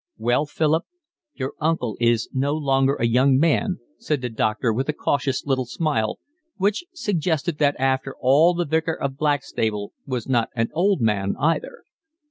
"Well, Philip, your uncle is no longer a young man," said the doctor with a cautious little smile, which suggested that after all the Vicar of Blackstable was not an old man either.